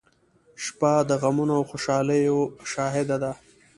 • شپه د غمونو او خوشالیو شاهد ده.